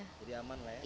jadi aman lah ya